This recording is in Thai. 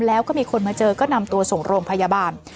แล้วก็มีคนมาเจอก็นำตัวส่งโรงพยาบาล